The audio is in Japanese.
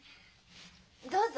どうぞ。